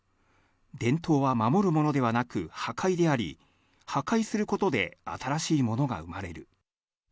伝統は守るものではなく破壊であり、破壊することで新しいものが生まれる。